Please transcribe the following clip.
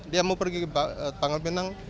dia mau pergi ke panggilan penang